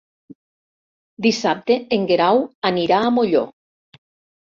Dissabte en Guerau anirà a Molló.